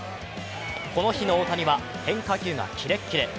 この日の大谷は変化球がキレッキレ。